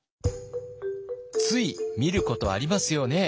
つい見ることありますよね？